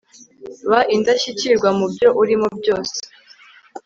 ba indashyikirwa mubyo urimo byose